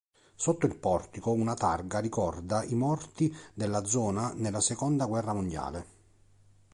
Sotto il portico una targa ricorda i morti della zona nella seconda guerra mondiale.